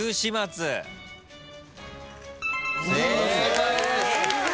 正解です。